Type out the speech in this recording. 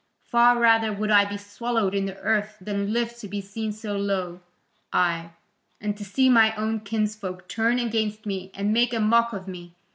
Far rather would I be swallowed in the earth than live to be seen so low, aye, and to see my own kinsfolk turn against me and make a mock of me.